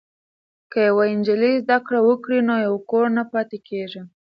که یوه نجلۍ زده کړه وکړي نو یو کور نه پاتې کیږي.